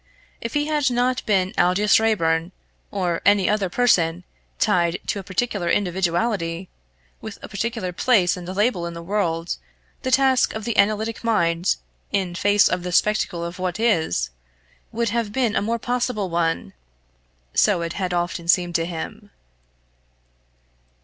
If he had not been Aldous Raeburn, or any other person, tied to a particular individuality, with a particular place and label in the world, the task of the analytic mind, in face of the spectacle of what is, would have been a more possible one! so it had often seemed to him.